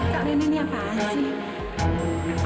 kak lena ini apaan sih